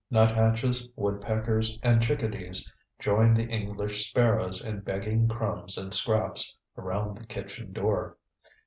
Nuthatches, woodpeckers, and chickadees join the English sparrows in begging crumbs and scraps around the kitchen door.